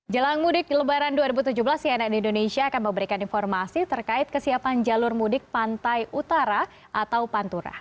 jelang mudik lebaran dua ribu tujuh belas cnn indonesia akan memberikan informasi terkait kesiapan jalur mudik pantai utara atau pantura